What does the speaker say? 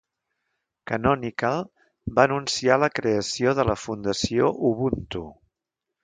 Canonical va anunciar la creació de la Fundació Ubuntu